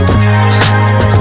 mas dia lagi tidur